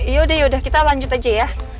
yaudah yaudah kita lanjut aja ya